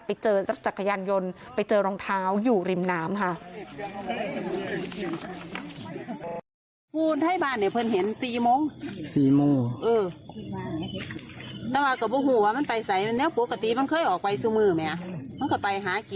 ไปเจอจักรยานยนต์ไปเจอรองเท้าอยู่ริมน้ำค่ะ